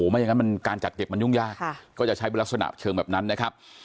ไม่อย่างนั้นการจัดเก็บมันยุ่งยากก็จะใช้เป็นลักษณะเชิงแบบนั้นนะครับ